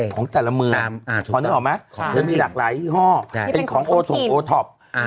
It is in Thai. ของแต่ละเมืองพอนึกออกไหมจะมีหลากหลายยี่ห้อเป็นของโอทงโอท็อป